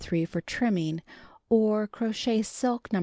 3 for trimming; or crochet silk No.